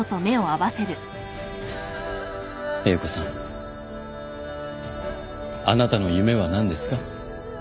英子さんあなたの夢は何ですか？